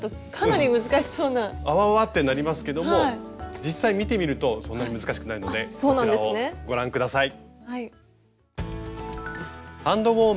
あわあわってなりますけども実際見てみるとそんなに難しくないのでこちらをご覧下さい。